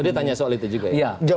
dia tanya soal itu juga ya